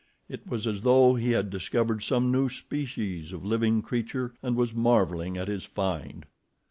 It was as though he had discovered some new species of living creature and was marveling at his find.